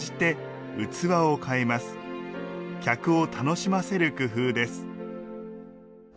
客を楽しませる工夫です